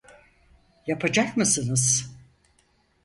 Yapacak mısınız?